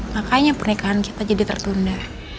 makanya pernikahan kita jadi tertunda